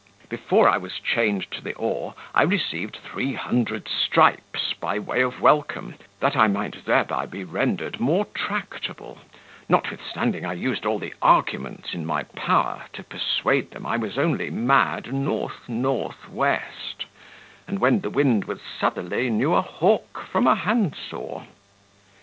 Before I was chained to the oar, I received three hundred stripes by way of welcome, that I might thereby be rendered more tractable, notwithstanding I used all the arguments in my power to persuade them I was only mad north north west, and, when the wind was southerly, knew a hawk from a handsaw.